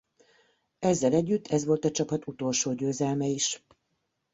Ezzel együtt ez volt a csapat utolsó győzelme is.